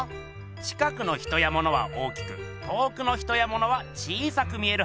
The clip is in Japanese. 近くの人やものは大きく遠くの人やものは小さく見えるはずが。